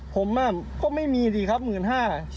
ผมก็ไม่มีสิครับ๑๕๐๐๐ผมทำอย่างไรพี่